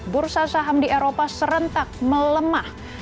bursa saham di eropa serentak melemah